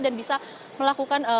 dan bisa melakukan